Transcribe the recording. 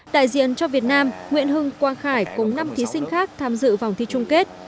đại diện cho việt nam nguyễn hưng quang khải cùng năm thí sinh khác tham dự vòng thi chung kết